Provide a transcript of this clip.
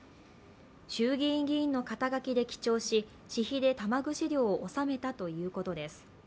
衆議院議員の肩書きで記帳し私費で玉串料を納めたということです。